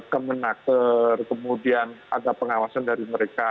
kemenaker kemudian ada pengawasan dari mereka